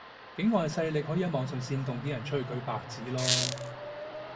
境外勢力可以喺網上煽動啲人出去舉白紙囉